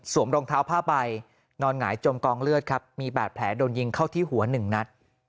รองเท้าผ้าใบนอนหงายจมกองเลือดครับมีบาดแผลโดนยิงเข้าที่หัวหนึ่งนัด